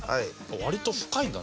割と深いんだね。